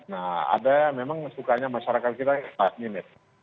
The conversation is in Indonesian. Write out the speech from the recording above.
nah ada memang sukanya masyarakat kita last minute